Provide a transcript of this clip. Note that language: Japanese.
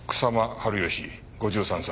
治義５３歳。